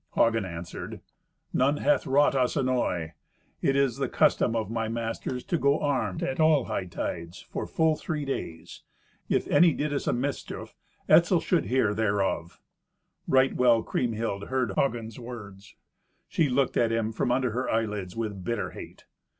Hagen answered, "None hath wrought us annoy. It is the custom of my masters to go armed at all hightides for full three days. If any did us a mischief, Etzel should hear thereof." Right well Kriemhild heard Hagen's words. She looked at him from under her eyelids with bitter hate.